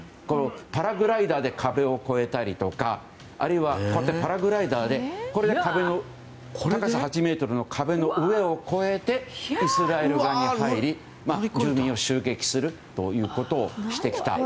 パラグライダーで壁を越えたりとかあるいはパラグライダーで高さ８ｍの壁の上を越えてイスラエル側に入り住民を襲撃するということをしてきた。